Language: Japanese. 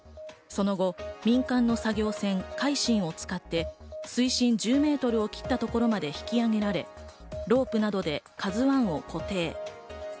その後、民間の作業船「海進」を使って水深１０メートルを切ったところまで引き上げられ、ロープなどで「ＫＡＺＵ１」を固定。